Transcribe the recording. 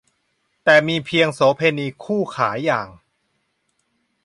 แต่มีเพียงโสเภณีคู่ขาอย่าง